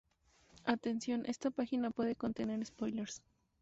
Atención, esta página puede contener spoilers.